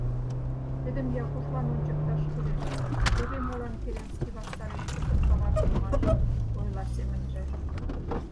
— Тидым Якушлан ончыкташ кӱлеш, теве молан Керенский ваштареш кутыркалат улмаш, — ойла семынже.